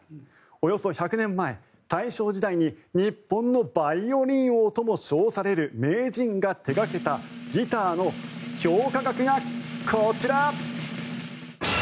およそ１００年前、大正時代に日本のバイオリン王とも称される名人が手掛けたギターの評価額がこちら！